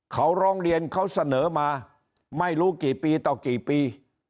เขาร้องเรียนเขาเสนอมาไม่รู้กี่ปีต่อกี่ปี